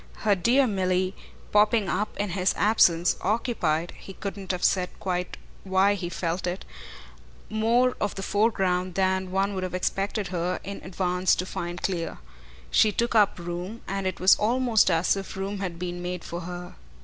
Her dear Milly, popping up in his absence, occupied he couldn't have said quite why he felt it more of the foreground than one would have expected her in advance to find clear. She took up room, and it was almost as if room had been made for her.